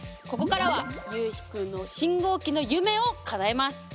ここからはゆうひくんの信号機の夢をかなえます！